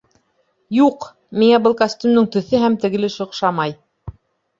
Юҡ, миңә был костюмдың төҫө һәм тегелеше оҡшамай